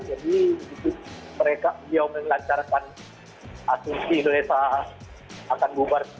jadi mereka dia menelancarkan asumsi indonesia akan bubar dua ribu tiga puluh